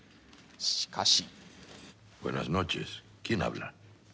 しかし。